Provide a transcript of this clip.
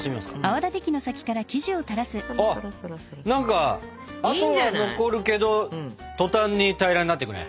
跡は残るけど途端に平らになっていくね。